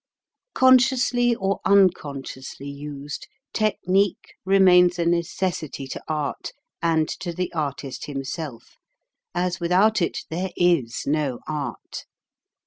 Consciously or unconsciously used, technique remains a necessity to art and to the artist himself,, as without it there is no art.